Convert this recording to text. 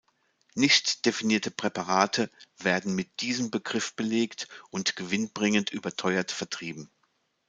Nicht definierte Präparate werden mit diesem Begriff belegt und gewinnbringend überteuert vertrieben.